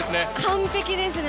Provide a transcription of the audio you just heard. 完璧ですね！